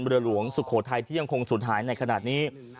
เรือหลวงสุโขทัยที่ยังคงสูญหายในขณะนี้